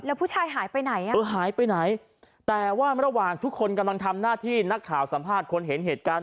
แล้วผู้ชายหายไปไหนอ่ะเออหายไปไหนแต่ว่าระหว่างทุกคนกำลังทำหน้าที่นักข่าวสัมภาษณ์คนเห็นเหตุการณ์